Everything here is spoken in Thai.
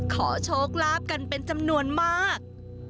ขอโชคลาภกันเป็นจำนวนมาก